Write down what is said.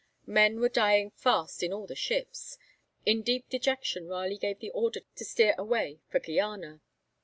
Men were dying fast in all the ships. In deep dejection Raleigh gave the order to steer away for Guiana.